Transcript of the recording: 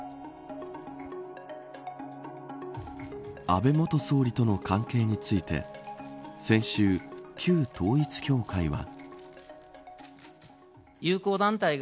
安倍元総理との関係について先週、旧統一教会は。